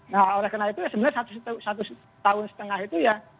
nah oleh karena itu ya sebenarnya satu tahun setengah itu ya